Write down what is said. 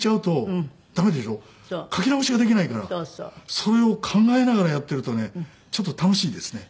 それを考えながらやってるとねちょっと楽しいですね。